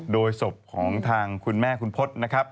โดยศพของทางคุณแม่คุณพจน์นะครับ